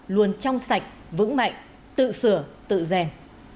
luôn trong sạch vững mạnh tự sửa tự rèn